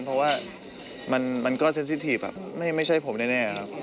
เพราะว่ามันก็เซ็นซิทีฟไม่ใช่ผมแน่ครับ